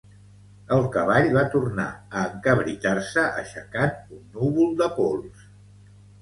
El cavall va tornar a encabritar-se, aixecant un núvol de pols.